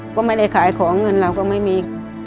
ก็ไม่ได้ขายของเงินเราก็ไม่มี